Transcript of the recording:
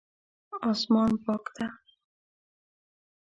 اسمان پاک ده